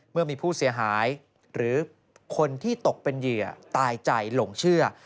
เมื่อมีผู้เสียหายหรือคนที่ตกเป็นเหยื่อตายใจหลงเชื่อ